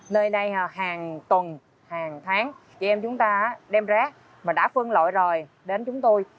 nơi đây hàng tuần hàng tháng chị em chúng ta đem rác mà đã phân loại rồi đến chúng tôi